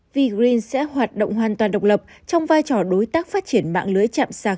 vigreen sẽ hoạt động hoàn toàn độc lập trong vai trò đối tác phát triển mạng lưới chạm sạc